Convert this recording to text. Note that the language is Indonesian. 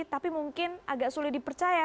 tapi mungkin agak sulit dipercaya